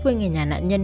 với người nhà nạn nhân